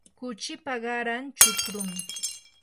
kuchipa qaran chukrumi.